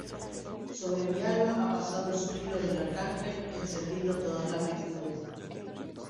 sobre mi alma ha pasado el suspiro del Arcángel encendiendo todas las virtudes.